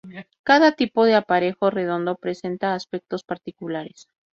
Cada tipo de aparejo redondo presenta aspectos particulares.